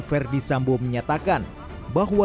verdi sambo menyatakan bahwa